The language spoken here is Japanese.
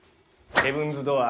ヘブンズ・ドアー。